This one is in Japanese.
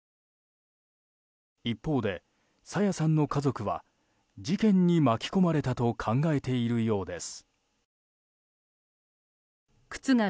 一方で、朝芽さんの家族は事件に巻き込まれたと考えているようです。